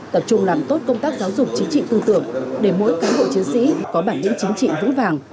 tập trung làm tốt công tác giáo dục chính trị tư tưởng để mỗi cán bộ chiến sĩ có bản lĩnh chính trị vững vàng